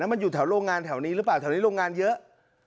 มันอยู่แถวโรงงานแถวนี้หรือเปล่าแถวนี้โรงงานเยอะ